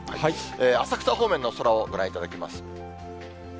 浅草方面の空をご覧いただきます。